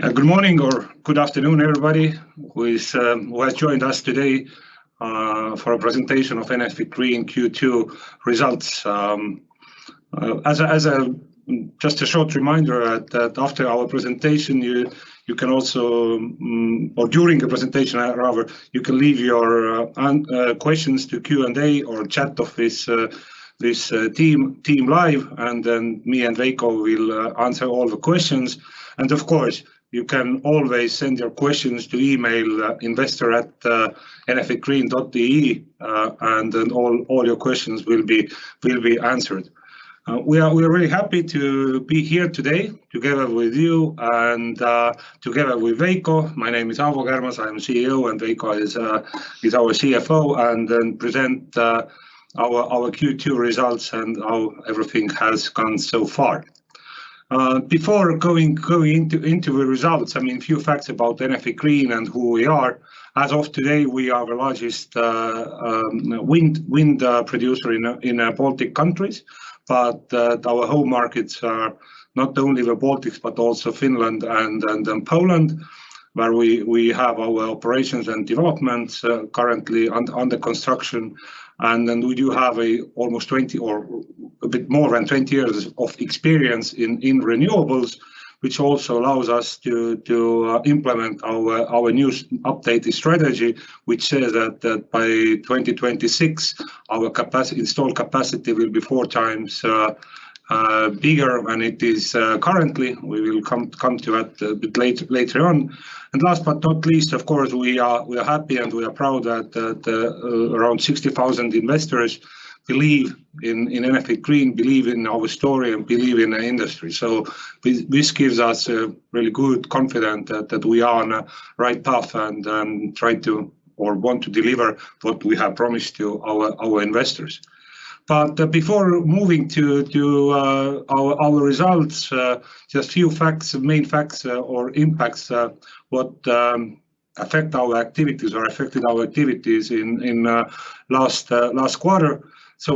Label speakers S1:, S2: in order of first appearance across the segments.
S1: Good morning or good afternoon, everybody, who has joined us today for a presentation of Enefit Green Q2 results. As just a short reminder that after our presentation, you can also, or during the presentation rather, you can leave your questions to Q&A or chat of this Teams live, and then me and Veiko Räim will answer all the questions. Of course, you can always send your questions to email investor@enefitgreen.ee, and then all your questions will be answered. We are really happy to be here today together with you and together with Veiko Räim. My name is Aavo Kärmas. I'm CEO, and Veiko Räim is our CFO, and then present our Q2 results and how everything has gone so far. Before going into the results, I mean, few facts about Enefit Green and who we are. As of today, we are the largest wind producer in Baltic countries. Our home markets are not only the Baltics, but also Finland and Poland, where we have our operations and developments currently under construction. We do have almost 20 or a bit more than 20 years of experience in renewables, which also allows us to implement our new updated strategy, which says that by 2026 our capacity, installed capacity, will be 4x bigger than it is currently. We will come to that a bit later on. Last but not least, of course, we are happy, and we are proud that around 60,000 investors believe in Enefit Green, believe in our story, and believe in the industry. This gives us a really good confidence that we are on the right path and try to or want to deliver what we have promised to our investors. Before moving to our results, just few facts, main facts, or impacts, what affect our activities or affected our activities in last quarter.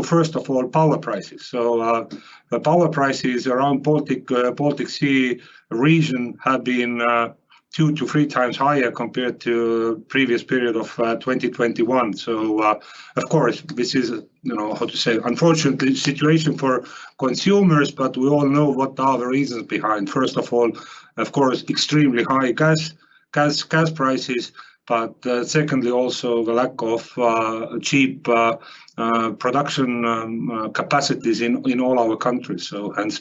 S1: First of all, power prices. The power prices around the Baltic Sea region have been 2x-3x higher compared to previous period of 2021. Of course, this is, you know, how to say, unfortunate situation for consumers, but we all know what are the reasons behind. First of all, of course, extremely high gas prices, but secondly also the lack of cheap production capacities in all our countries.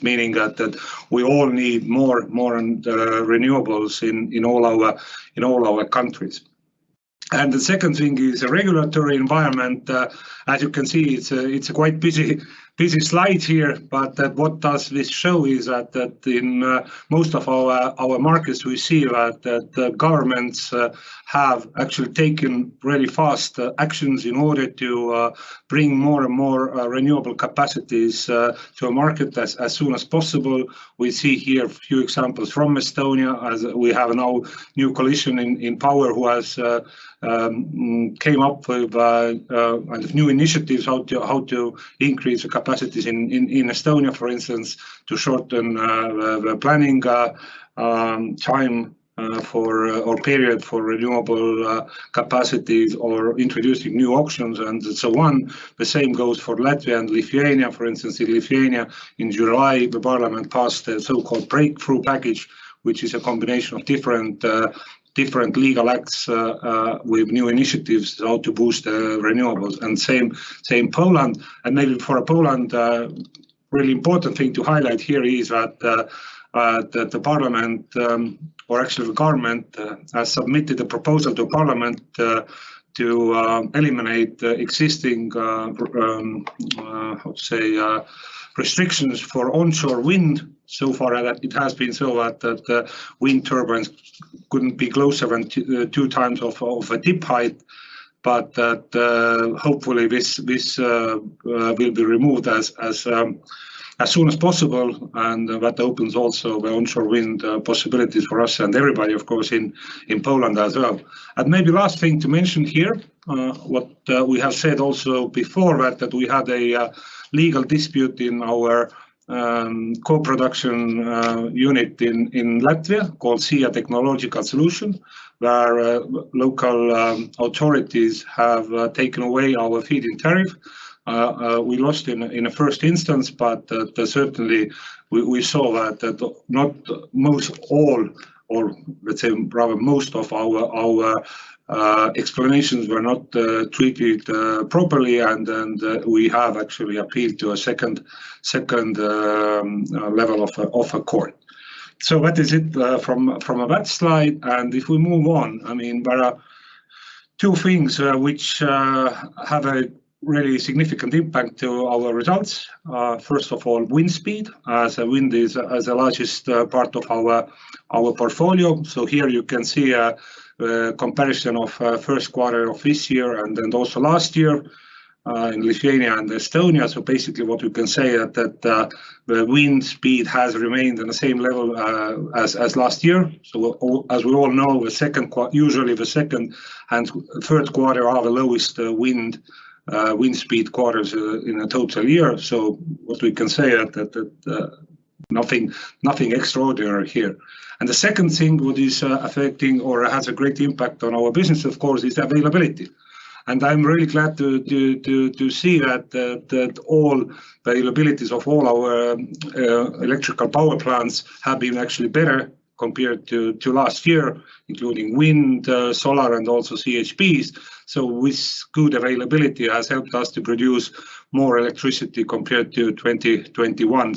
S1: Meaning that we all need more renewables in all our countries. The second thing is regulatory environment. As you can see, it's a quite busy slide here. What does this show is that in most of our markets, we see that the governments have actually taken really fast actions in order to bring more and more renewable capacities to the market as soon as possible. We see here a few examples from Estonia, as we have now new coalition in power who has came up with with new initiatives how to increase the capacities in Estonia, for instance, to shorten planning time or period for renewable capacities or introducing new auctions and so on. The same goes for Latvia and Lithuania. For instance, in Lithuania in July, the parliament passed a so-called Breakthrough package, which is a combination of different legal acts with new initiatives how to boost renewables, and same Poland. Maybe for Poland, really important thing to highlight here is that the parliament. Actually the government has submitted a proposal to parliament to eliminate the existing restrictions for onshore wind. So far, it has been so that the wind turbines couldn't be closer than 2x of a tip height. Hopefully this will be removed as soon as possible. That opens also the onshore wind possibilities for us and everybody, of course, in Poland as well. Maybe last thing to mention here what we have said also before that we had a legal dispute in our cogeneration unit in Latvia called SIA Technological Solution, where local authorities have taken away our feed-in tariff. We lost in the first instance, but certainly we saw that not most all or let's say probably most of our explanations were not treated properly. We have actually appealed to a second level of a court. That is it from that slide. If we move on, I mean, there are two things which have a really significant impact to our results. First of all, wind speed, as wind is the largest part of our portfolio. Here you can see a comparison of first quarter of this year, and then also last year in Lithuania and Estonia. Basically, what we can say that the wind speed has remained in the same level as last year. As we all know, usually the second and third quarter are the lowest wind speed quarters in a total year. Nothing extraordinary here. The second thing what is affecting or has a great impact on our business, of course, is availability. I'm really glad to see that all availabilities of all our electrical power plants have been actually better compared to last year, including wind, solar, and also CHPs. With good availability has helped us to produce more electricity compared to 2021.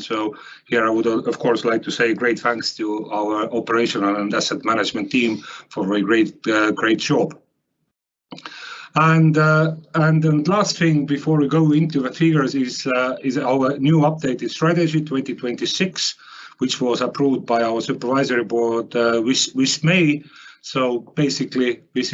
S1: Here I would of course like to say great thanks to our operational and asset management team for a great job. Then last thing before we go into the figures is our new updated strategy 2026, which was approved by our supervisory board. Basically, this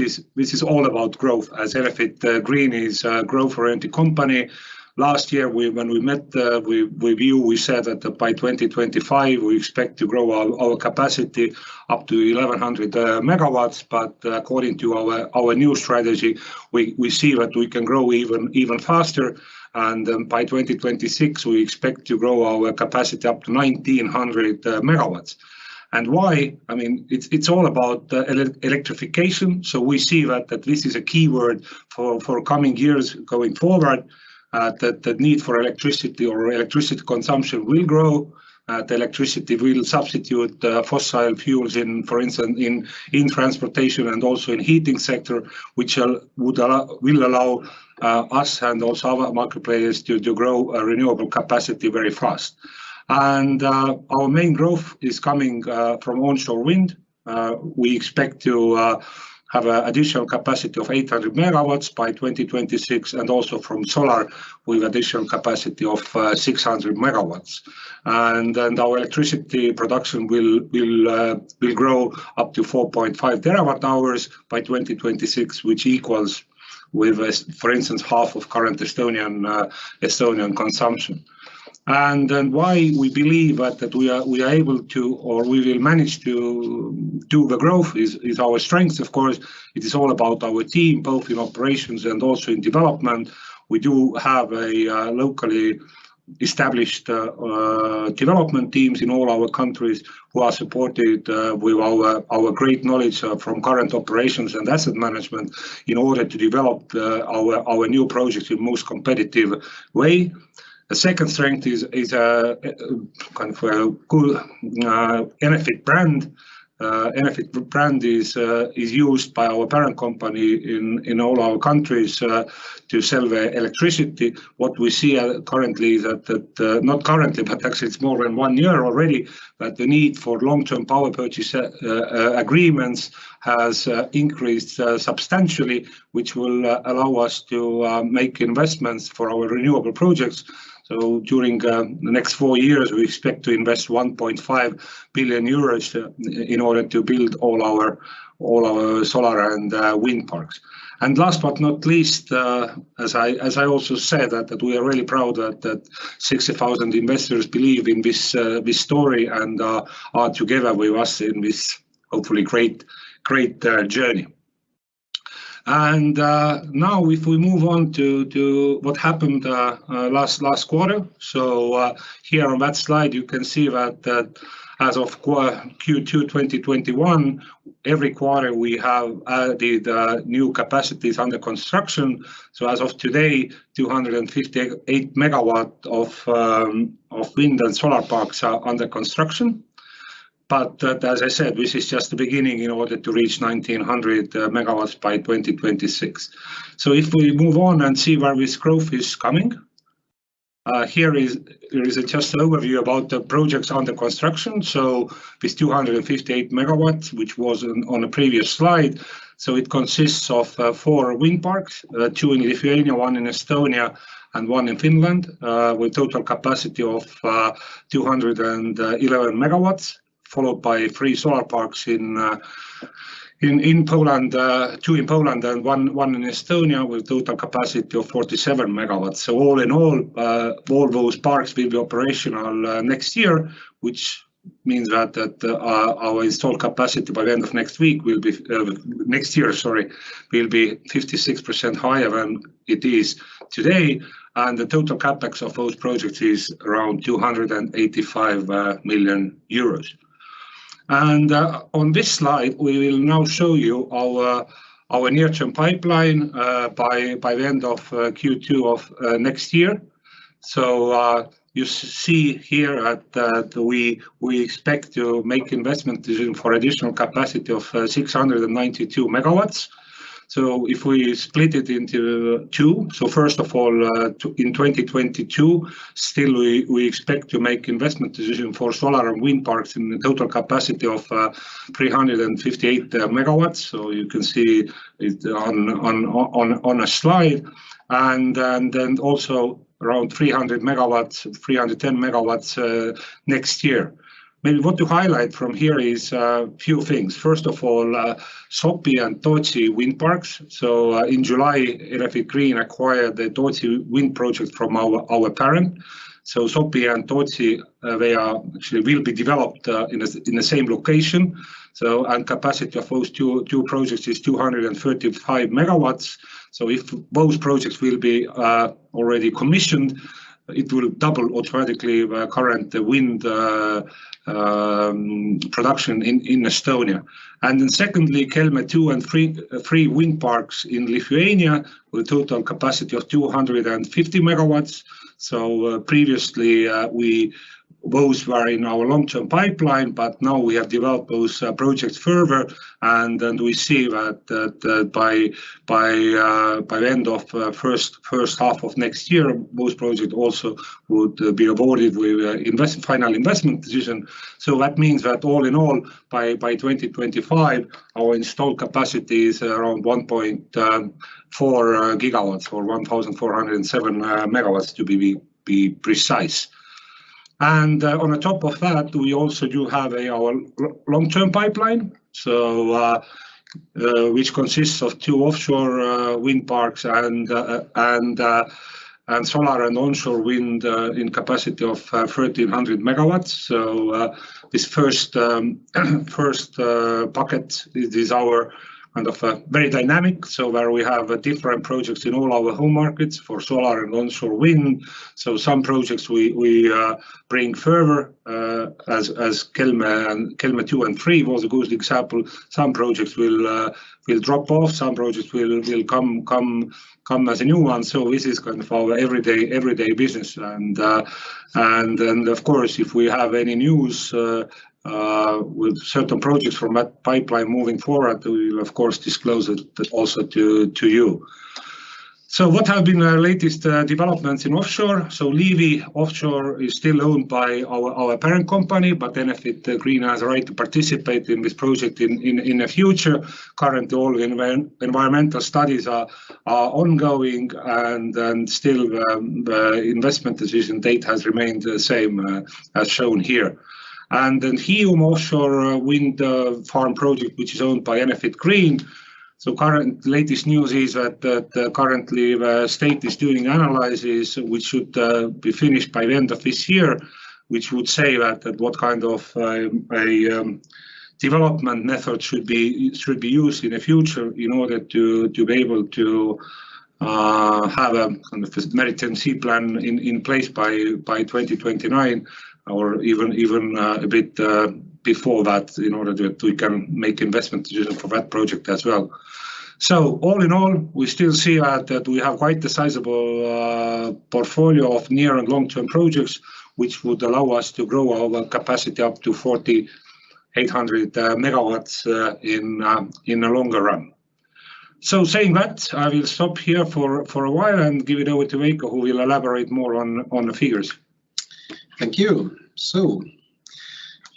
S1: is all about growth as Enefit Green is a growth-oriented company. Last year when we met, we said that by 2025 we expect to grow our capacity up to 1,100 MW. According to our new strategy, we see that we can grow even faster, and by 2026 we expect to grow our capacity up to 1,900 MW. Why? I mean, it's all about electrification. We see that this is a key word for coming years going forward. The need for electricity or electricity consumption will grow. The electricity will substitute fossil fuels in, for instance, transportation and also in heating sector, which will allow us and also other market players to grow renewable capacity very fast. Our main growth is coming from onshore wind. We expect to have an additional capacity of 800 MW by 2026, and also from solar with additional capacity of 600 MW. Our electricity production will grow up to 4.5 TWh by 2026, which equals with, as for instance, half of current Estonian consumption. Why we believe that we are able to or we will manage to do the growth is our strength. Of course, it is all about our team, both in operations and also in development. We do have a locally established development teams in all our countries who are supported with our great knowledge from current operations and asset management in order to develop our new projects in most competitive way. The second strength is kind of a good Enefit brand. Enefit brand is used by our parent company in all our countries to sell the electricity. What we see currently that Not currently, but actually it's more than one year already, that the need for long-term power purchase agreements has increased substantially, which will allow us to make investments for our renewable projects. During the next four years, we expect to invest 1.5 billion euros in order to build all our solar and wind parks. Last but not least, as I also said that we are really proud that 60,000 investors believe in this story and are together with us in this hopefully great journey. Now if we move on to what happened last quarter. Here on that slide, you are able to see that as of Q2 2021, every quarter we have the new capacities under construction. As of today, 258 MW of wind and solar parks are under construction. As I said, this is just the beginning in order to reach 1,900 MW by 2026. If we move on and see where this growth is coming, here is just an overview about the projects under construction. This 258 MW, which was on the previous slide. It consists of four wind parks, two in Lithuania, one in Estonia, and one in Finland, with total capacity of 211 MW, followed by three solar parks in Poland. Two in Poland and one in Estonia with total capacity of 47 MW. All in all those parks will be operational next year, which means that our installed capacity by the end of next year, sorry, will be 56% higher than it is today. The total CapEx of those projects is around 285 million euros. On this slide we will now show you our near-term pipeline by the end of Q2 of next year. You see here that we expect to make investment decision for additional capacity of 692 MW. If we split it into two. First of all, in 2022 we expect to make investment decision for solar and wind parks in the total capacity of 358 MW. You can see it on a slide. Then also around 300 MW, 310 MW next year. I mean, what to highlight from here is a few things. First of all, Sopi and Tootsi Wind Parks. In July, Enefit Green acquired the Tootsi wind project from our parent. Sopi and Tootsi they are actually will be developed in the same location. Capacity of those two projects is 235 MW. If those projects will be already commissioned, it will double automatically the current wind production in Estonia. Secondly, Kelmė II and III wind parks in Lithuania with total capacity of 250 MW. Previously, those were in our long-term pipeline, but now we have developed those projects further, and we see that by the end of the first half of next year, those projects also would be awarded with final investment decision. That means that all in all, by 2025, our installed capacity is around 1.4 GW, or 1,407 MW to be precise. On top of that, we also do have our long-term pipeline. Which consists of two offshore wind parks and solar and onshore wind in capacity of 1,300 MW. This first bucket is our kind of very dynamic, so where we have different projects in all our home markets for solar and onshore wind. Some projects we bring further, as Kelmė and Kelmė two and three was a good example. Some projects will drop off, some projects will come as a new one. This is kind of our everyday business. Then of course, if we have any news with certain projects from that pipeline moving forward, we will of course disclose it also to you. What have been our latest developments in offshore? Liivi Offshore is still owned by our parent company, but Enefit Green has a right to participate in this project in the future. Currently, all environmental studies are ongoing, and investment decision date has remained the same, as shown here. Hiiumaa Offshore wind farm project, which is owned by Enefit Green. Current latest news is that currently the state is doing analysis, which should be finished by the end of this year, which would say that what kind of development methods should be used in the future in order to be able to have a kind of maritime spatial plan in place by 2029 or even a bit before that in order to we can make investment decision for that project as well. All in all, we still see that we have quite a sizable portfolio of near and long-term projects, which would allow us to grow our capacity up to 4,800 MW in the longer run. saying that, I will stop here for a while and give it over to Veiko, who will elaborate more on the figures.
S2: Thank you.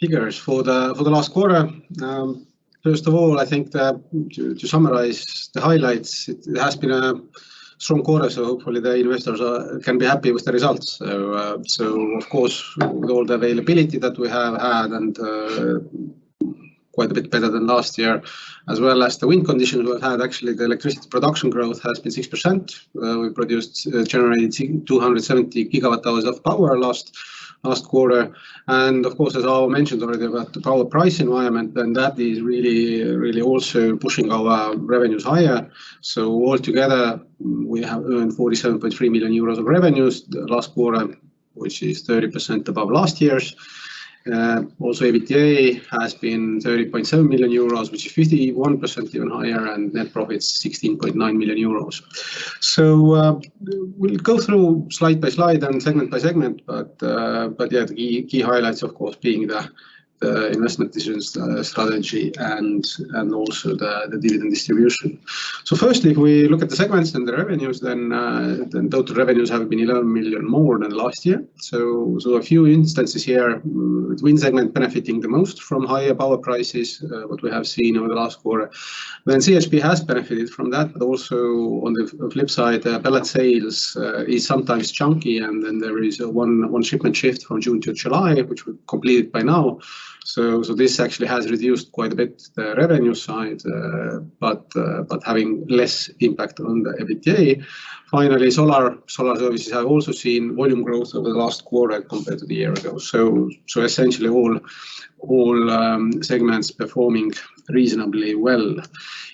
S2: Figures for the last quarter. First of all, I think that to summarize the highlights, it has been a strong quarter, hopefully the investors can be happy with the results. Of course, with all the availability that we have had and quite a bit better than last year, as well as the wind conditions we've had, actually the electricity production growth has been 6%. We generated 270 GWh of power last quarter. Of course, as Aavo mentioned already about the power price environment, then that is really also pushing our revenues higher. All together, we have earned 47.3 million euros of revenues the last quarter, which is 30% above last year's. Also EBITDA has been 30.7 million euros, which is 51% even higher, and net profit is 16.9 million euros. We'll go through slide by slide and segment by segment. Yeah, the key highlights, of course, being the investment decisions, the strategy and also the dividend distribution. Firstly, if we look at the segments and the revenues, total revenues have been 11 million more than last year. A few instances here, wind segment benefiting the most from higher power prices, what we have seen over the last quarter. CHP has benefited from that. Also on the flip side, pellet sales is sometimes chunky, and then there is one shipment shift from June to July, which we completed by now. This actually has reduced quite a bit the revenue side, having less impact on the EBITDA. Finally, solar services have also seen volume growth over the last quarter compared to the year ago. Essentially all segments performing reasonably well.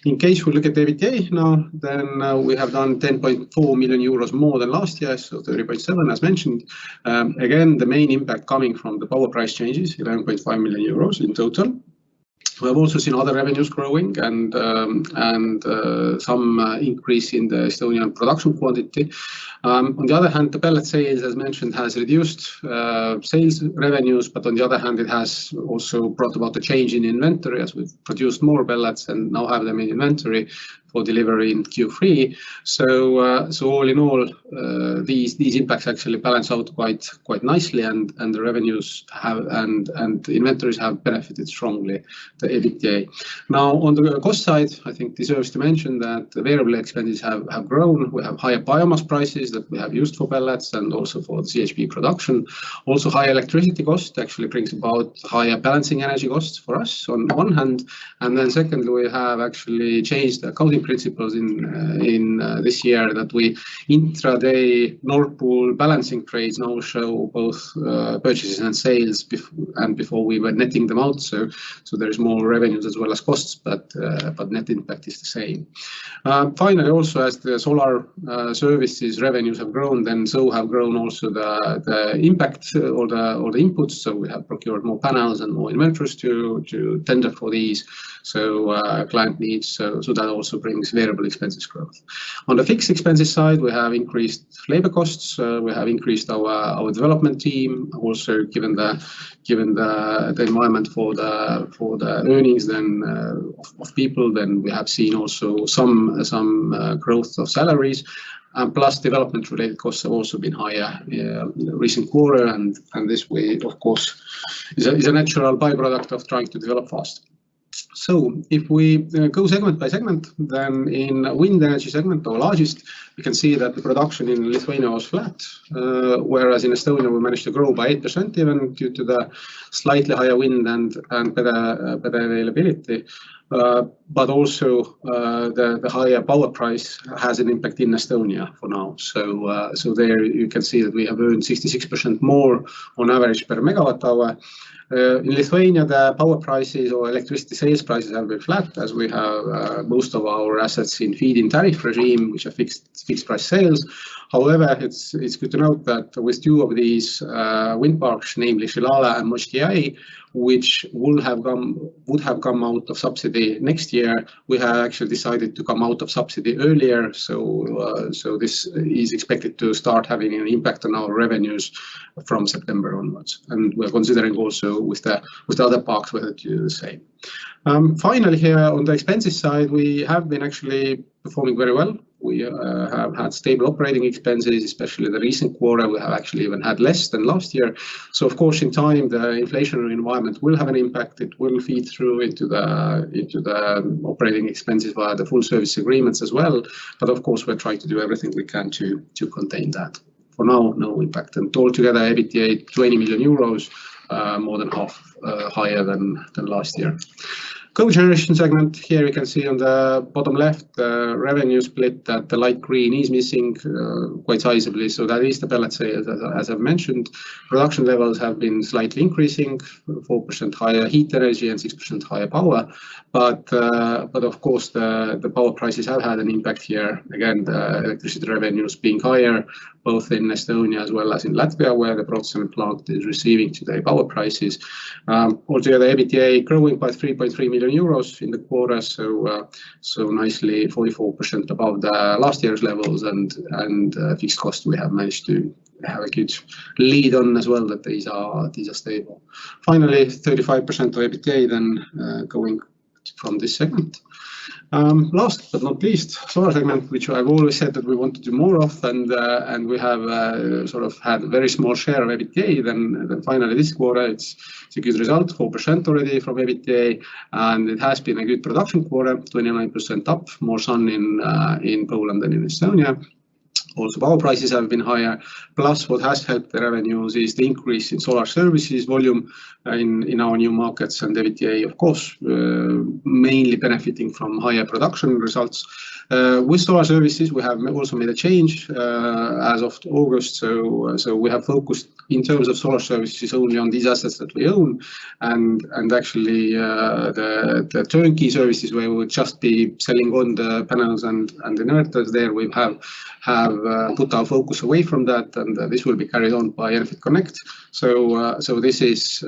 S2: In case we look at the EBITDA now, we have done 10.4 million euros more than last year, so 30.7% as mentioned. Again, the main impact coming from the power price changes, 11.5 million euros in total. We have also seen other revenues growing and some increase in the Estonian production quantity. On the other hand, the pellet sales, as mentioned, has reduced sales revenues, but on the other hand, it has also brought about a change in inventory as we've produced more pellets and now have them in inventory for delivery in Q3. All in all, these impacts actually balance out quite nicely, and the revenues have, and the inventories have benefited strongly the EBITDA. Now, on the cost side, I think deserves to mention that the variable expenses have grown. We have higher biomass prices that we have used for pellets and also for CHP production. Also, higher electricity cost actually brings about higher balancing energy costs for us on one hand. Secondly, we have actually changed accounting principles in this year that we intraday Nord Pool balancing trades now show both purchases and sales before we were netting them out. There is more revenues as well as costs, but net impact is the same. Finally, also as the solar services revenues have grown, then so have grown also the impact or the inputs. We have procured more panels and more inverters to tender for these client needs. That also brings variable expenses growth. On the fixed expenses side, we have increased labor costs. We have increased our development team. Also, given the environment for the earnings of people, then we have seen also some growth of salaries. Plus development-related costs have also been higher in the recent quarter. This, of course, is a natural by-product of trying to develop fast. If we go segment by segment, then in wind energy segment, our largest, you can see that the production in Lithuania was flat. Whereas in Estonia, we managed to grow by 8% even due to the slightly higher wind and better availability, but also, the higher power price has an impact in Estonia for now. There you can see that we have earned 66% more on average per megawatt hour. In Lithuania, the power prices or electricity sales prices have been flat, as we have most of our assets in feed-in tariff regime, which are fixed price sales. However, it's good to note that with two of these wind parks, namely Šilalė and Mosėdis which would have come out of subsidy next year, we have actually decided to come out of subsidy earlier. This is expected to start having an impact on our revenues from September onwards. We are considering also with the other parks whether to do the same. Finally here on the expenses side, we have been actually performing very well. We have had stable operating expenses, especially the recent quarter. We have actually even had less than last year. Of course, in time, the inflationary environment will have an impact. It will feed through into the operating expenses via the full service agreements as well. Of course, we're trying to do everything we can to contain that. For now, no impact. All together, EBITDA, 20 million euros, more than half higher than last year. Cogeneration segment, here you can see on the bottom left, the revenue split that the light green is missing, quite sizably. That is the pellet sale. As I've mentioned, production levels have been slightly increasing, 4% higher heat energy and 6% higher power, but of course, the power prices have had an impact here. Again, the electricity revenues being higher, both in Estonia as well as in Latvia, where the Brocēni plant is receiving today power prices. Altogether, EBITDA growing by 3.3 million euros in the quarter, so nicely 44% above the last year's levels. Fixed cost, we have managed to have a good lead on as well that these are stable. Finally, 35% of EBITDA then going from this segment. Last but not least, solar segment, which I've always said that we want to do more of, and we have sort of had very small share of EBITDA. Finally this quarter, it's a good result, 4% already from EBITDA, and it has been a good production quarter, 29% up, more sun in Poland than in Estonia. Also, power prices have been higher. Plus, what has helped the revenues is the increase in solar services volume in our new markets, and the EBITDA, of course, mainly benefiting from higher production results. With solar services, we have also made a change as of August. We have focused in terms of solar services only on these assets that we own. Actually, the turnkey services where we would just be selling on the panels and inverters there, we have put our focus away from that, and this will be carried on by Enefit Connect. This is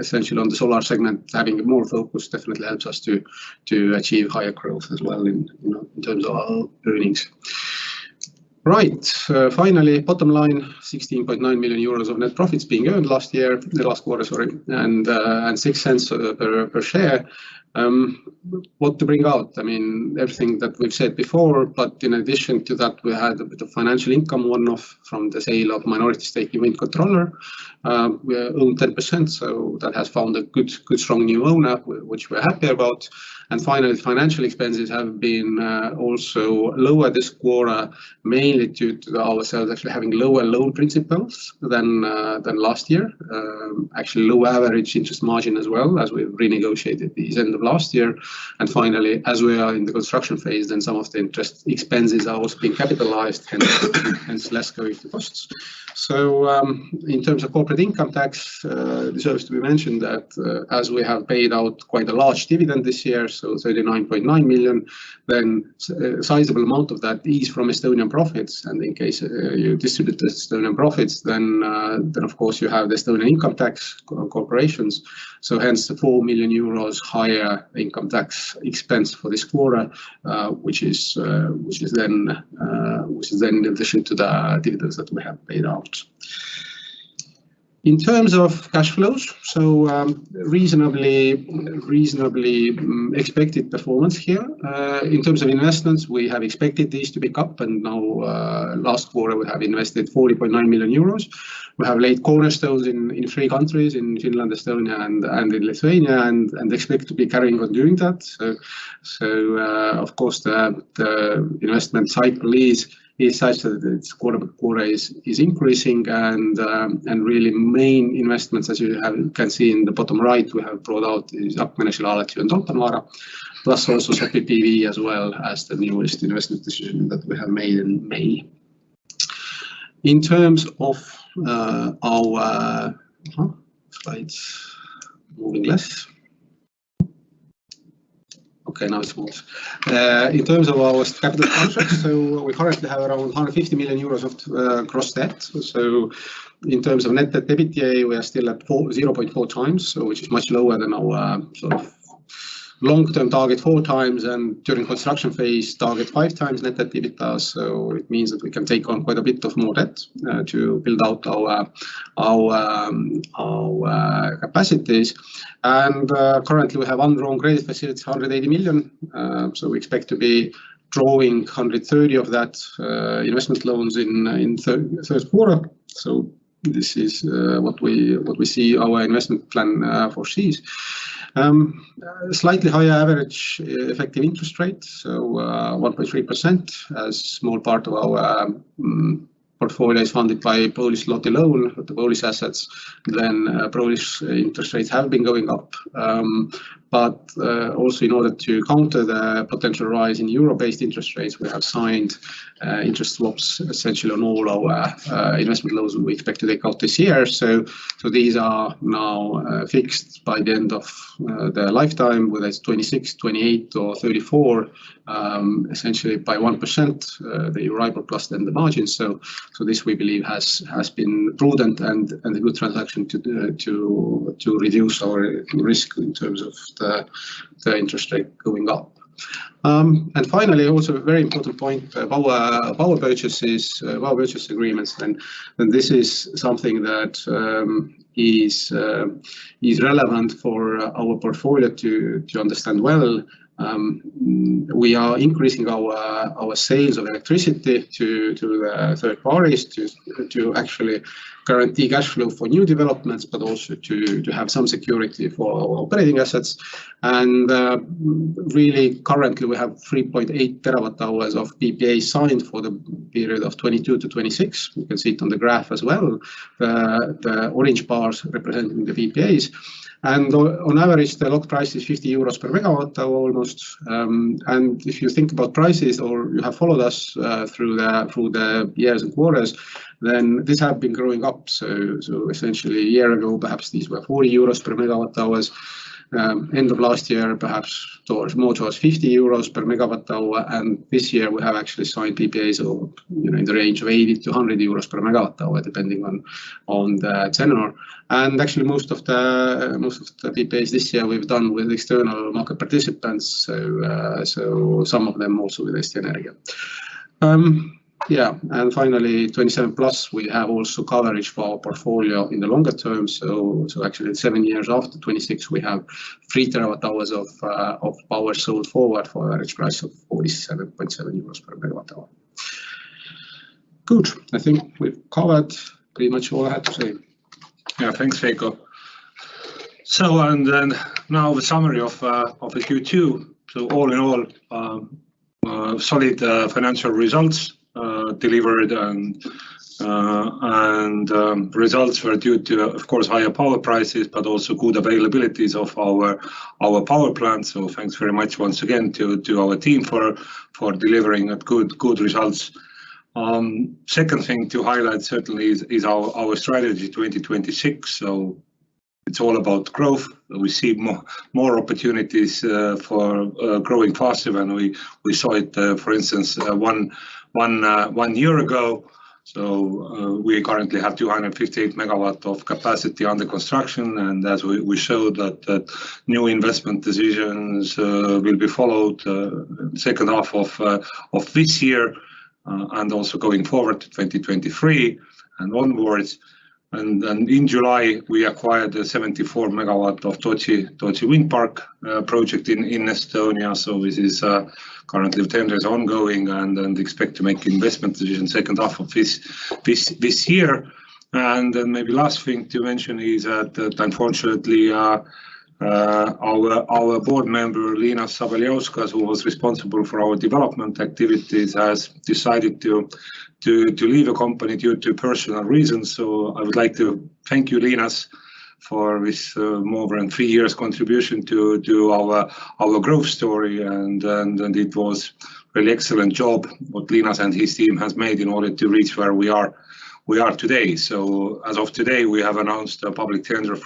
S2: essentially on the solar segment, having more focus definitely helps us to achieve higher growth as well in terms of our earnings. Right. Finally, bottom line, 16.9 million euros of net profits being earned in the last quarter, sorry, and 0.06 per share. What to bring out? I mean, everything that we've said before, but in addition to that, we had a bit of financial income one-off from the sale of minority stake in Wind Controller. We own 10%, so that has found a good strong new owner, which we're happy about. Financial expenses have been also lower this quarter, mainly due to ourselves actually having lower loan principals than last year. Actually lower average interest margin as well, as we've renegotiated these end of last year. As we are in the construction phase, then some of the interest expenses are also being capitalized and hence less going to costs. In terms of corporate income tax, deserves to be mentioned that as we have paid out quite a large dividend this year, so 39.9 million, then sizable amount of that is from Estonian profits. In case you distribute Estonian profits, then of course you have Estonian income tax on corporations. Hence the 4 million euros higher income tax expense for this quarter, which is then in addition to the dividends that we have paid out. In terms of cash flows, reasonably expected performance here. In terms of investments, we have expected these to pick up, and now last quarter we have invested 40.9 million euros. We have laid cornerstones in three countries, in Finland, Estonia, and in Lithuania, and expect to be carrying on doing that. Of course, the investment cycle is such that it's increasing quarter by quarter and really main investments, as you can see in the bottom right, we have brought out is [Jakminäshallat] and Tolpanvaara, plus also Säkkijärvi PV as well as the newest investment decision that we have made in May. In terms of our capital contracts, we currently have around 150 million euros of gross debt. In terms of net debt to EBITDA, we are still at 0.4x, which is much lower than our sort of long-term target of 4x, and during construction phase, target of 5x net debt to EBITDA. It means that we can take on quite a bit more debt to build out our capacities. Currently we have undrawn credit facilities, 180 million. We expect to be drawing 130 million of that investment loans in third quarter. This is what we see our investment plan foresees. Slightly higher average effective interest rates, 1.3%. A small part of our portfolio is funded by Polish Złoty loan. The Polish assets, then Polish interest rates have been going up. Also in order to counter the potential rise in euro-based interest rates, we have signed interest swaps essentially on all our investment loans we expect to take out this year. These are now fixed by the end of their lifetime, whether it's 2026, 2028, or 2034, essentially by 1%, the all-in cost and the margin. This we believe has been prudent and a good transaction to reduce our risk in terms of the interest rate going up. Finally, also a very important point of our purchases, our purchase agreements. This is something that is relevant for our portfolio to understand well. We are increasing our sales of electricity to the third parties to actually guarantee cash flow for new developments, but also to have some security for operating assets. Really, currently we have 3.8 TWh of PPA signed for the period of 2022 to 2026. You can see it on the graph as well. The orange bars representing the PPAs. On average, the locked price is 50 euros per MWh almost. If you think about prices or you have followed us through the years and quarters, then these have been growing up. Essentially, a year ago, perhaps these were 40 euros per MWh. End of last year, perhaps more towards 50 euros per MWh. This year we have actually signed PPAs in the range of 80 per MWh-100 per MWh, depending on the tenure. Actually most of the PPAs this year we've done with external market participants. Some of them also with Eesti Energia. Finally, 2027+, we also have coverage for our portfolio in the longer term. Actually seven years after 2026, we have 3 TWh of power sold forward for an average price of 47.7 euros per MWh. Good. I think we've covered pretty much all I had to say.
S1: Thanks, Veiko. Now the summary of the Q2. All in all, solid financial results delivered and results were due to, of course, higher power prices, but also good availabilities of our power plants. Thanks very much once again to our team for delivering good results. Second thing to highlight certainly is our strategy 2026. It's all about growth. We see more opportunities for growing faster than we saw it, for instance, one year ago. We currently have 258 MW of capacity under construction. As we showed that the new investment decisions will be followed second half of this year, and also going forward to 2023 and onwards. Then in July, we acquired the 74-MW Tootsi Wind Park project in Estonia. This is currently the tender is ongoing and expect to make investment decision second half of this year. Then maybe last thing to mention is that unfortunately, our board member, Linas Sabaliauskas, who was responsible for our development activities, has decided to leave the company due to personal reasons. I would like to thank you, Linas, for his more than three years contribution to our growth story. It was really excellent job what Linas and his team has made in order to reach where we are today. As of today, we have announced a public tender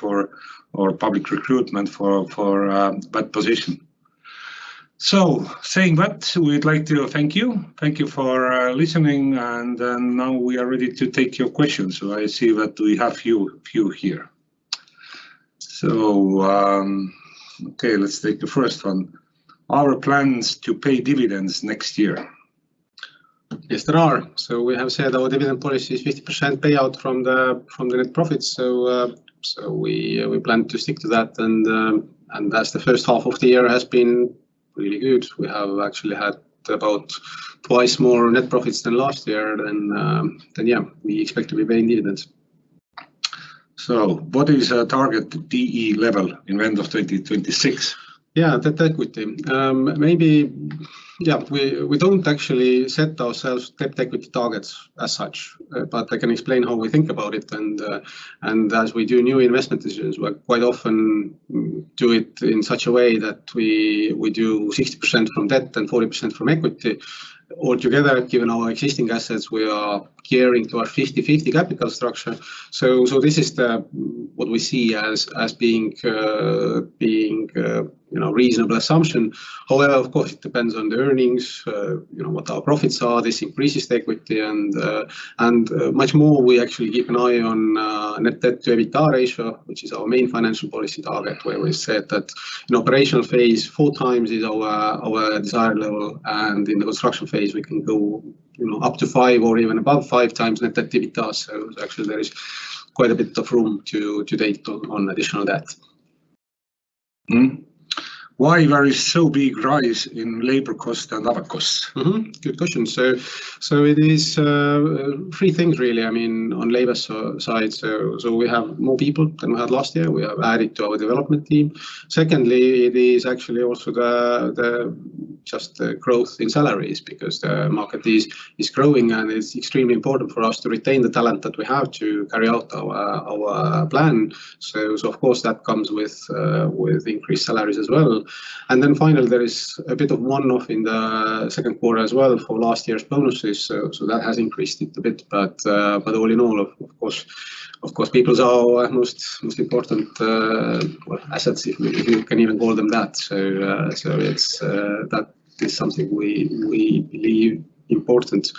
S1: or public recruitment for that position. Saying that, we'd like to thank you. Thank you for listening, and then now we are ready to take your questions. I see that we have few here. Let's take the first one. Our plans to pay dividends next year?
S2: Yes, there are. We have said our dividend policy is 50% payout from the net profits. We plan to stick to that. That the first half of the year has been really good. We have actually had about twice more net profits than last year. We expect to maintain dividends.
S1: What is target D/E level at end of 2026?
S2: Yeah, the debt equity. We don't actually set ourselves debt equity targets as such, but I can explain how we think about it. As we do new investment decisions, we quite often do it in such a way that we do 60% from debt and 40% from equity. Altogether, given our existing assets, we are gearing to our 50/50 capital structure. This is what we see as being you know reasonable assumption. However, of course it depends on the earnings, you know, what our profits are. This increases the equity and much more we actually keep an eye on net debt to EBITDA ratio, which is our main financial policy target, where we said that in operational phase, 4x is our desired level, and in the construction phase we can go, you know, up to 5x or even above 5x net debt to EBITDA. Actually there is quite a bit of room to take on additional debt.
S1: Why there is so big rise in labor cost and other costs?
S2: Good question. It is three things really. I mean, on the labor side, we have more people than we had last year. We have added to our development team. Secondly, it is actually also the growth in salaries because the market is growing and it is extremely important for us to retain the talent that we have to carry out our plan. Of course that comes with increased salaries as well. Then finally there is a bit of one-off in the second quarter as well for last year's bonuses. That has increased it a bit. All in all, of course, people are our most important well assets, if you can even call them that. It is something we believe important.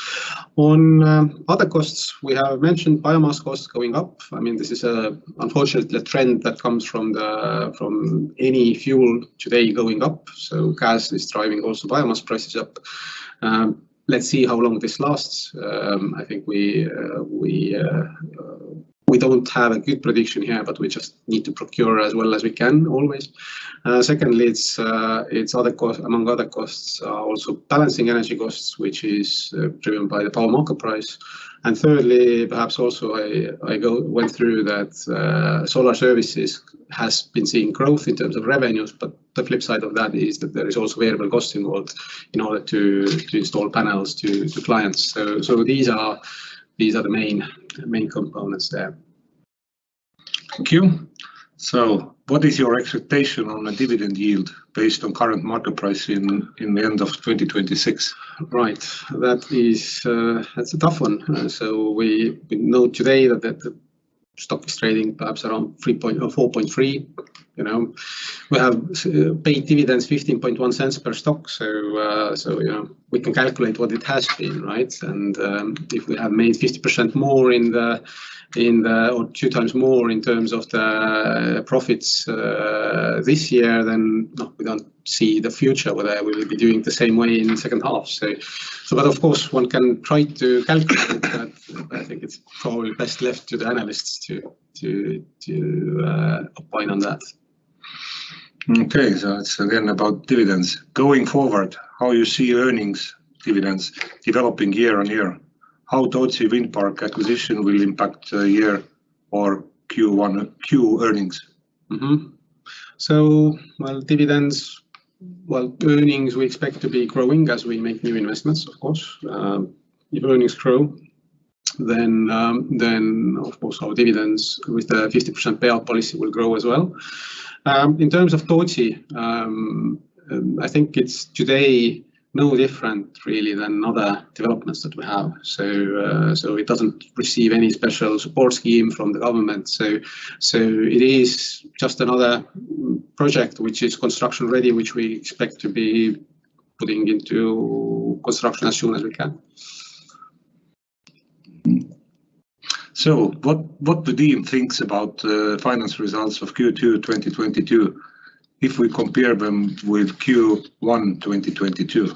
S2: On other costs, we have mentioned biomass costs going up. I mean, this is unfortunately a trend that comes from any fuel today going up. Gas is driving also biomass prices up. Let's see how long this lasts. I think we don't have a good prediction here, but we just need to procure as well as we can always. Secondly, among other costs are also balancing energy costs, which is driven by the power market price. Thirdly, perhaps also I went through that, solar services has been seeing growth in terms of revenues, but the flip side of that is that there is also variable costs involved in order to install panels to clients. These are the main components there.
S1: Thank you. What is your expectation on the dividend yield based on current market price in the end of 2026?
S2: Right. That is, that's a tough one. We know today that the stock is trading perhaps around 3 or 4.3, you know. We have paid dividends 0.151 per stock, so you know, we can calculate what it has been, right? If we have made 50% more or 2x more in terms of the profits this year, then we don't see the future whether we will be doing the same way in the second half. Of course, one can try to calculate that. I think it's probably best left to the analysts to opine on that.
S1: Okay. It's again about dividends. Going forward, how you see earnings dividends developing year-on-year? How Tootsi wind farm acquisition will impact the year or Q1 Q earnings?
S2: Well, dividends. Well, earnings we expect to be growing as we make new investments, of course. If earnings grow, then of course our dividends with the 50% payout policy will grow as well. In terms of Tootsi, I think it's today no different really than other developments that we have. It doesn't receive any special support scheme from the government. It is just another project which is construction ready, which we expect to be putting into construction as soon as we can.
S1: What the team thinks about financial results of Q2 2022 if we compare them with Q1 2022?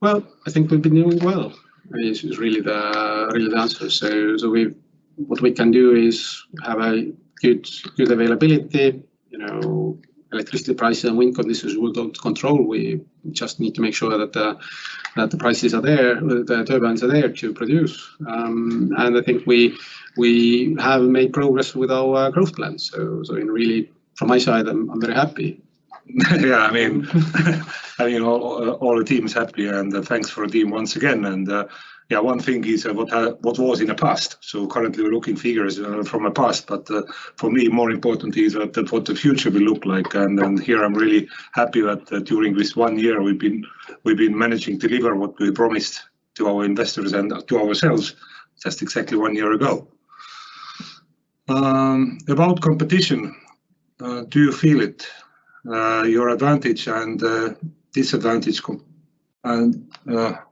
S2: Well, I think we've been doing well is really the answer. What we can do is have a good availability. You know, electricity prices and wind conditions we don't control. We just need to make sure that the prices are there, the turbines are there to produce. I think we have made progress with our growth plans. In reality, from my side, I'm very happy.
S1: Yeah. I mean, all the team is happy, and thanks to the team once again. One thing is what was in the past. Currently we're looking at figures from the past, but for me more important is that's what the future will look like. Here I'm really happy that during this one year we've been managing to deliver what we promised to our investors and to ourselves just exactly one year ago. About competition,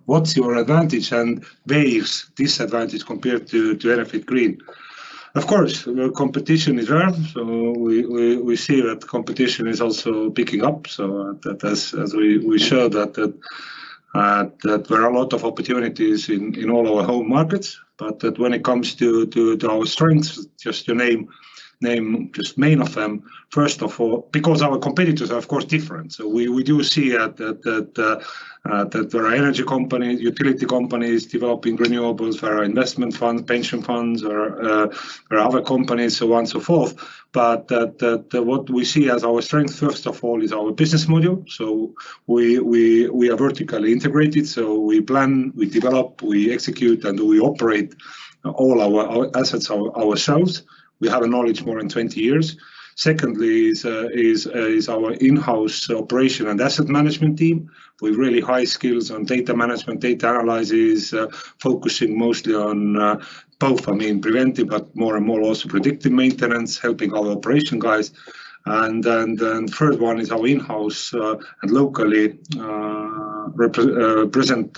S1: what's your advantage and where is disadvantage compared to Enefit Green? Of course, competition is there, so we see that competition is also picking up, so that as we show that there are a lot of opportunities in all our home markets, but that when it comes to our strengths, just to name just main of them, first of all, because our competitors are of course different. We do see that there are energy companies, utility companies developing renewables. There are investment funds, pension funds or other companies, so on and so forth. That what we see as our strength, first of all, is our business model. We are vertically integrated, so we plan, we develop, we execute, and we operate all our assets ourselves. We have a knowledge more than 20 years. Secondly is our in-house operation and asset management team with really high skills on data management, data analysis, focusing mostly on both, I mean, preventive, but more and more also predictive maintenance, helping our operation guys. Then third one is our in-house and locally present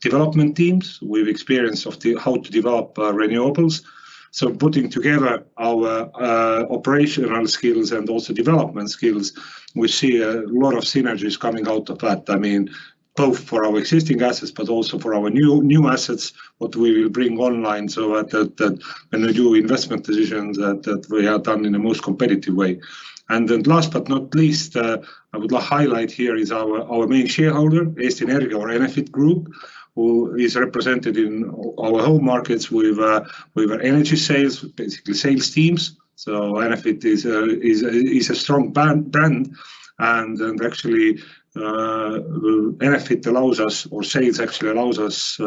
S1: development teams with experience of the how to develop renewables. Putting together our operational skills and also development skills, we see a lot of synergies coming out of that. I mean, both for our existing assets, but also for our new assets, what we will bring online, so that when we do investment decisions, that we have done in a most competitive way. Last but not least, I would like to highlight, here is our main shareholder, Eesti Energia or Enefit Group, who is represented in our home markets with energy sales, basically sales teams. Enefit is a strong brand, and actually, Enefit allows us, or sales actually allows us,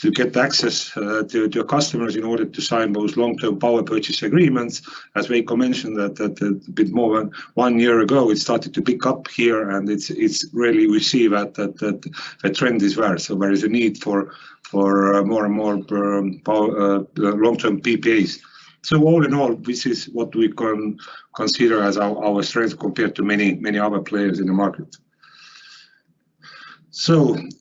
S1: to get access to customers in order to sign those long-term power purchase agreements. As Veiko mentioned, that a bit more than one year ago, it started to pick up here, and it's really we see that the trend is there. There is a need for more and more power long-term PPAs. All in all, this is what we can consider as our strength compared to many other players in the market.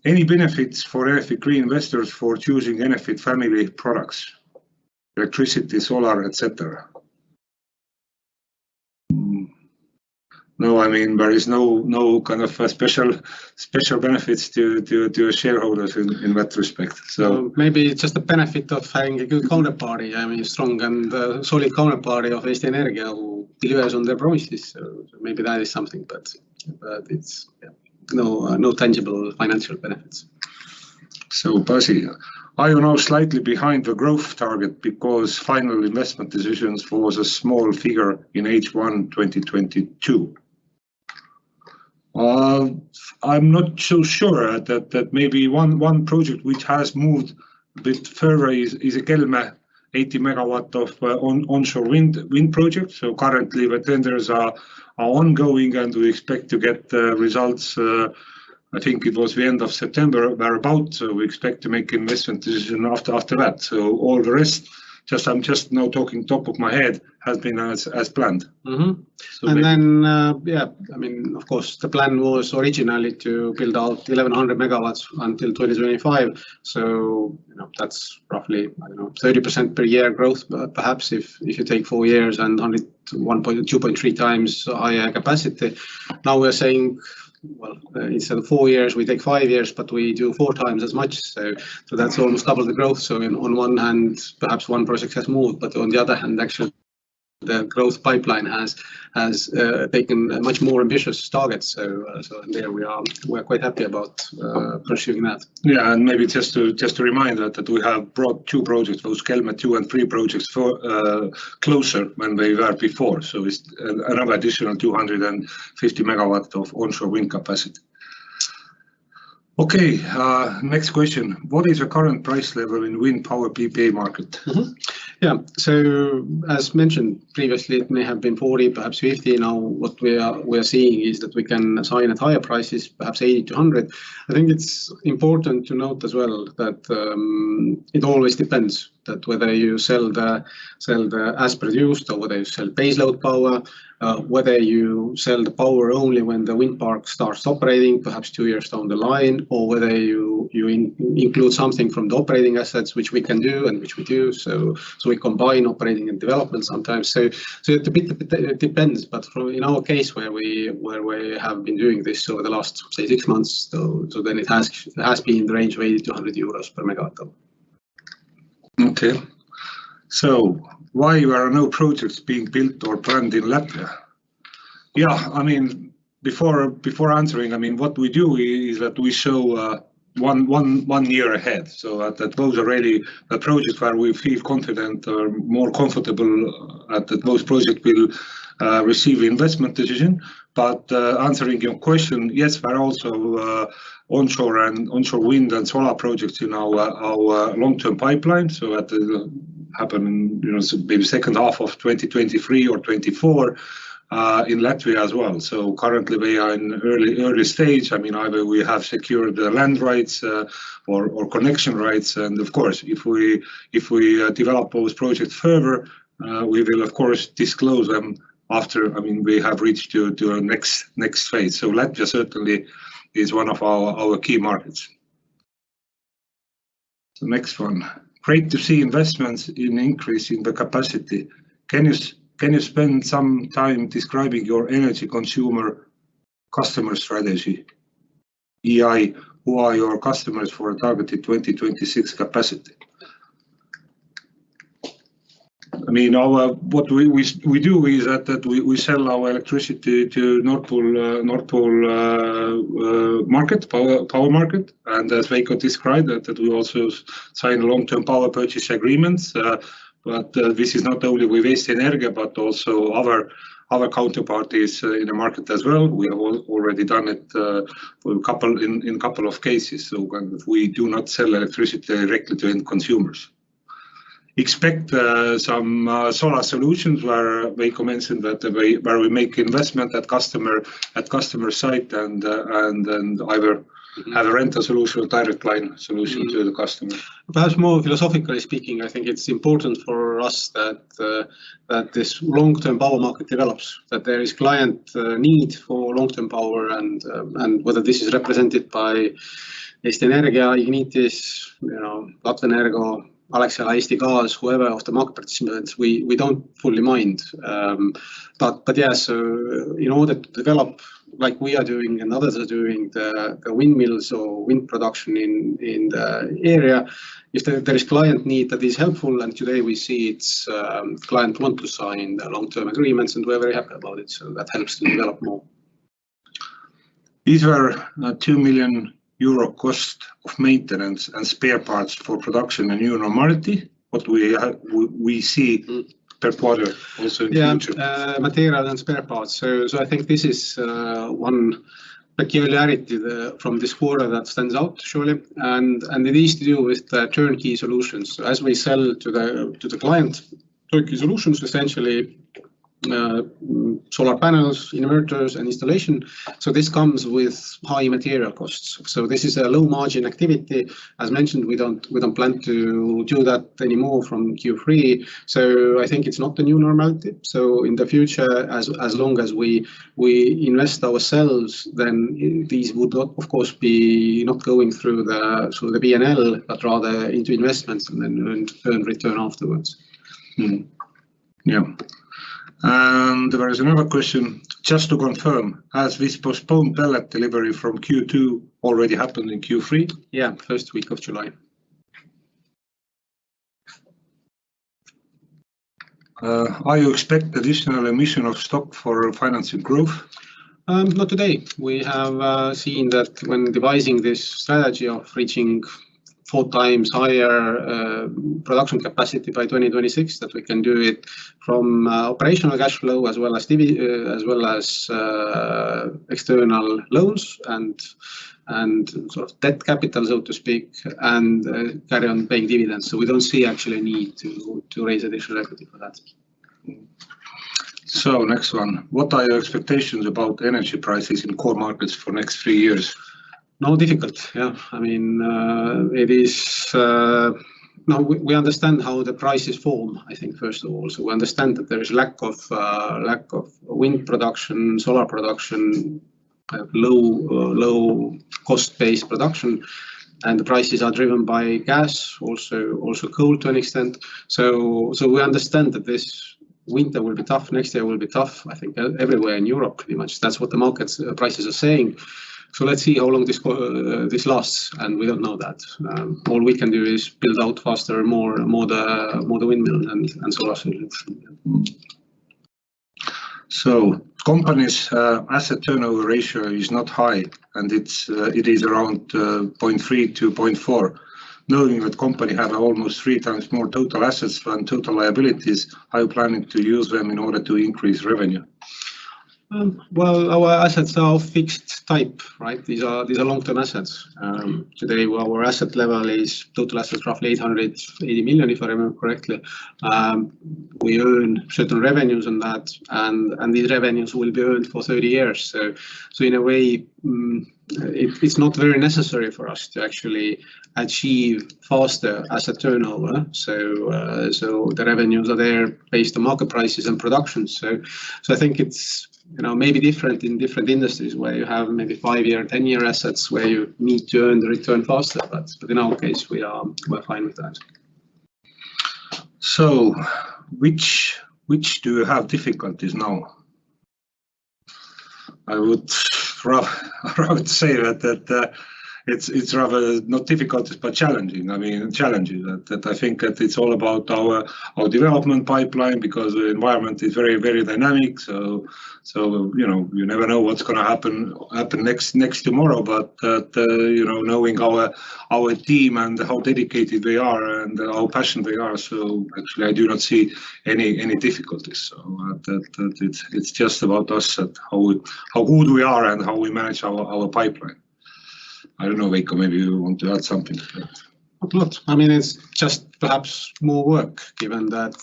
S1: Any benefits for Enefit Green investors for choosing Enefit family products, electricity, solar, et cetera? No, I mean there is no kind of special benefits to shareholders in that respect.
S2: Maybe it's just the benefit of having a good counterparty, I mean, strong and solid counterparty of Eesti Energia who delivers on their promises. Maybe that is something, but it's, yeah, no tangible financial benefits.
S1: Pasi, are you now slightly behind the growth target because final investment decisions was a small figure in H1 2022? I'm not so sure. That may be one project which has moved bit further is a Kelmė 80 MW onshore wind project. Currently, the tenders are ongoing, and we expect to get the results. I think it was the end of September or thereabout. We expect to make investment decision after that. All the rest, I'm just now talking top of my head, has been as planned.
S2: Mm-hmm.
S1: So we-
S2: I mean, of course, the plan was originally to build out 1,100 MW until 2025. You know, that's roughly, I don't know, 30% per year growth. Perhaps if you take four years and only 2.3x higher capacity. Now we're saying, well, instead of four years, we take five years, but we do 4x as much. That's almost double the growth. I mean, on one hand, perhaps one project has moved, but on the other hand, actually, the growth pipeline has taken a much more ambitious target. There we are. We're quite happy about pursuing that.
S1: Yeah. Maybe just to remind that we have brought two projects, those Kelmė two and three projects for closer than they were before. It's another additional 250 MW of onshore wind capacity. Okay, next question. What is your current price level in wind power PPA market?
S2: As mentioned previously, it may have been 40, perhapsEUR 50. Now what we are seeing is that we can sign at higher prices, perhaps 80-100. I think it's important to note as well that it always depends on whether you sell the as produced or whether you sell base load power, whether you sell the power only when the wind park starts operating perhaps two years down the line, or whether you include something from the operating assets, which we can do and which we do. We combine operating and development sometimes. It depends a bit, but, in our case, where we have been doing this over the last, say, six months, then it has been in the range of 80-100 euros per MWh.
S1: Okay. Why there are no projects being built or planned in Latvia? Yeah, I mean, before answering, I mean, what we do is that we show one year ahead. At those already the projects where we feel confident or more comfortable at, that those project will receive investment decision. Answering your question, yes, there are also onshore wind and solar projects in our long-term pipeline. At the happen in, you know, maybe second half of 2023 or 2024 in Latvia as well. Currently, we are in early stage. I mean, either we have secured the land rights or connection rights. Of course, if we develop those projects further, we will of course disclose them after, I mean, we have reached to a next phase. Latvia certainly is one of our key markets. The next one. Great to see investments in increasing the capacity. Can you spend some time describing your energy consumer customer strategy? Hey, who are your customers for targeted 2026 capacity? I mean, what we do is that we sell our electricity to Nord Pool power market. As Veiko described, that we also sign long-term power purchase agreements, but this is not only with Eesti Energia, but also other counterparties in the market as well. We have already done it in a couple of cases. We do not sell electricity directly to end consumers. Except some solar solutions where Veiko mentioned that we, where we make investment at customer site and then either have a rental solution, direct line solution to the customer.
S2: Perhaps more philosophically speaking, I think it's important for us that this long-term power market develops. That there is client need for long-term power and whether this is represented by Eesti Energia, Enefit, you know, Latvenergo, Alexela, Eesti Gaas, whoever of the market participants, we don't fully mind, but yes, in order to develop like we are doing and others are doing the windmills or wind production in the area, if there is client need that is helpful, and today we see that clients want to sign the long-term agreements, and we're very happy about it. That helps to develop more.
S1: These were a 2 million euro cost of maintenance and spare parts for production and new normality, what we have. We see per quarter also in future.
S2: Material and spare parts. I think this is one peculiarity from this quarter that stands out surely, and it is to do with the turnkey solutions. As we sell to the client turnkey solutions, essentially, solar panels, inverters, and installation, this comes with high material costs. This is a low margin activity. As mentioned, we don't plan to do that anymore from Q3. I think it's not the new normality. In the future, as long as we invest ourselves, then these would of course be not going through the P&L, but rather into investments and then earn return afterwards.
S1: There is another question. Just to confirm, has this postponed pellet delivery from Q2 already happened in Q3?
S2: Yeah. First week of July.
S1: Do you expect additional issuance of stock for financing growth?
S2: Not today. We have seen that when devising this strategy of reaching 4x higher production capacity by 2026, that we can do it from operational cash flow as well as external loans and sort of debt capital, so to speak, and carry on paying dividends. We don't see actually a need to raise additional equity for that.
S1: Next one. What are your expectations about energy prices in core markets for next three years?
S2: It is difficult. I mean, we understand how the prices form, I think first of all. We understand that there is a lack of wind production, solar production, low cost-based production, and the prices are driven by gas, also coal to an extent. We understand that this winter will be tough. Next year will be tough, I think everywhere in Europe pretty much. That's what the market prices are saying. Let's see how long this lasts, and we don't know that. All we can do is build out faster, more windmills and solar solutions.
S1: Company's asset turnover ratio is not high, and it is around 0.3x-0.4x. Knowing that company have almost 3x more total assets than total liabilities, how are you planning to use them in order to increase revenue?
S2: Well, our assets are fixed type, right? These are long-term assets. Today our asset level is total assets roughly 880 million, if I remember correctly. We earn certain revenues on that, and these revenues will be earned for 30 years. In a way, it's not very necessary for us to actually achieve faster asset turnover. The revenues are there based on market prices and production. I think it's, you know, maybe different in different industries where you have maybe five-year, 10-year assets where you need to earn the return faster. In our case, we're fine with that.
S1: Which do you have difficulties now? I would say that it's rather not difficulties, but challenging. I mean, challenging. That I think that it's all about our development pipeline because the environment is very dynamic. You know, you never know what's gonna happen next tomorrow, but you know, knowing our team and how dedicated they are and how passionate they are, actually I do not see any difficulties. That it's just about us and how good we are and how we manage our pipeline. I don't know, Veiko, maybe you want to add something to that.
S2: Not a lot. I mean, it's just perhaps more work given that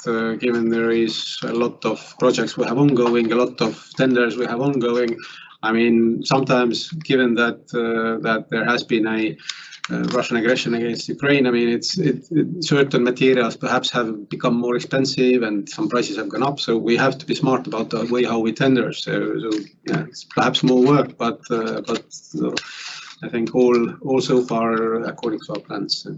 S2: there is a lot of projects we have ongoing, a lot of tenders we have ongoing. I mean, sometimes given that there has been a Russian aggression against Ukraine, I mean, it's certain materials perhaps have become more expensive and some prices have gone up. We have to be smart about the way how we tender. Yeah, it's perhaps more work, but I think all so far according to our plans, yeah.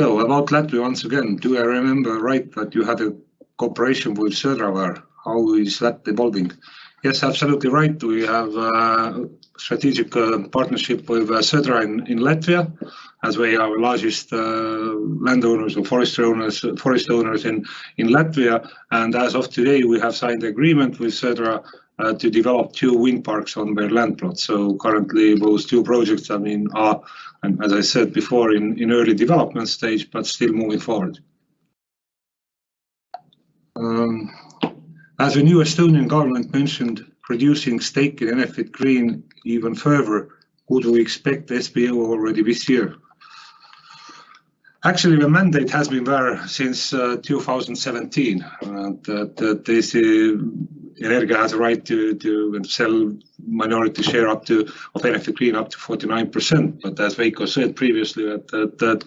S1: About Latvia once again, do I remember right that you had a cooperation with Södra? How is that evolving? Yes, absolutely right. We have strategic partnership with Södra in Latvia, as they are largest landowners and forest owners in Latvia. As of today, we have signed agreement with Södra to develop two wind parks on their land plots. Currently those two projects, I mean, are as I said before in early development stage, but still moving forward. As the new Estonian government mentioned, reducing stake in Enefit Green even further, would we expect the SPO already this year? Actually, the mandate has been there since 2017. This Eesti Energia has a right to sell minority share up to of Enefit Green up to 49%. As Veiko said previously that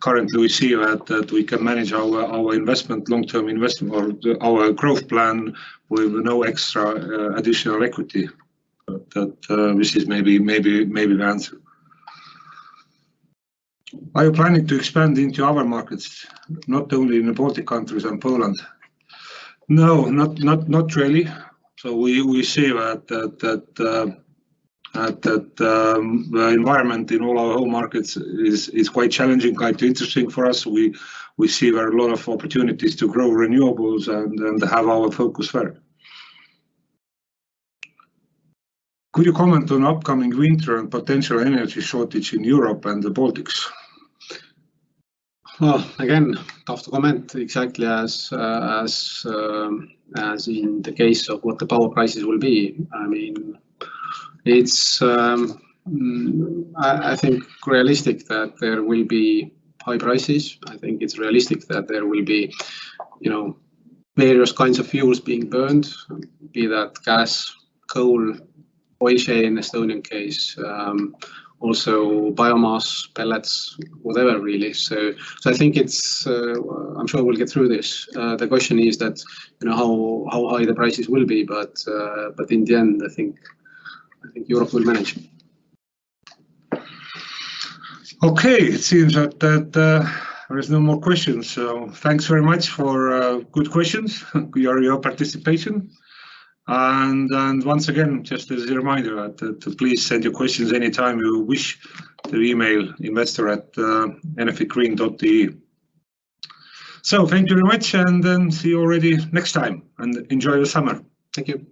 S1: currently we see that we can manage our investment, long-term investment, or our growth plan with no extra additional equity. That which is maybe the answer. Are you planning to expand into other markets, not only in the Baltic countries and Poland? No, not really. We see that the environment in all our home markets is quite challenging, quite interesting for us. We see there are a lot of opportunities to grow renewables and have our focus there. Could you comment on upcoming winter and potential energy shortage in Europe and the Baltics?
S2: Well, again, tough to comment exactly as in the case of what the power prices will be. I mean, it's realistic that there will be high prices. I think it's realistic that there will be, you know, various kinds of fuels being burned, be that gas, coal, oil shale in Estonian case, also biomass, pellets, whatever really. I think it's. I'm sure we'll get through this. The question is that, you know, how high the prices will be, but in the end, I think Europe will manage.
S1: Okay. It seems that there is no more questions. Thanks very much for good questions, your participation. Once again, just as a reminder to please send your questions anytime you wish to email investor@enefitgreen.ee. Thank you very much and then see you already next time, and enjoy the summer. Thank you.